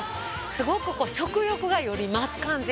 すごくこう食欲がより増す感じ。